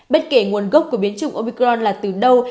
bất kể nguồn gốc của biến chủng opicron là từ đâu